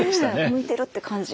向いてるって感じ。